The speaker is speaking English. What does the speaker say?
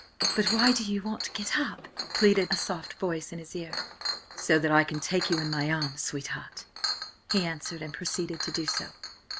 "But why do you want to get up?" pleaded a soft voice in his ear. "So that I can take you in my arms, sweetheart," he answered, and proceeded to do so.